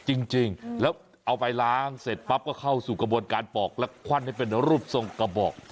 จริงแล้วเอาไปล้างเสร็จปั๊บก็เข้าสู่กระบวนการปอกและควั่นให้เป็นรูปทรงกระบอก